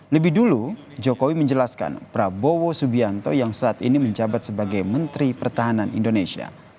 lebih dulu jokowi menjelaskan prabowo subianto yang saat ini menjabat sebagai menteri pertahanan indonesia